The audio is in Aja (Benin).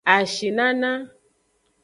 Ashinana.